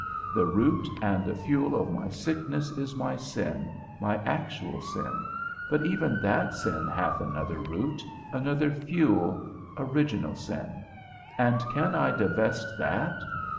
The root and the fuel of my sickness is my sin, my actual sin; but even that sin hath another root, another fuel, original sin; and can I divest that?